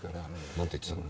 何て言ってたの？